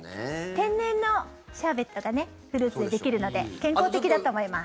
天然のシャーベットがフルーツでできるので健康的だと思います。